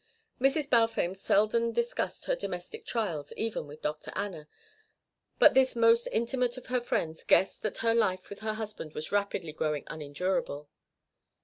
Mrs. Balfame seldom discussed her domestic trials even with Dr. Anna, but this most intimate of her friends guessed that her life with her husband was rapidly growing unendurable.